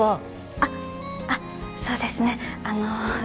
あっあっそうですねあの